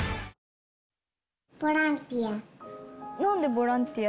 ボランティア。